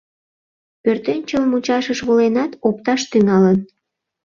Пӧртӧнчыл мучашыш воленат, опташ тӱҥалын.